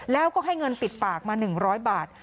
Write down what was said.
แล้วก็ให้เงินปิดปากมา๑๐๐บาท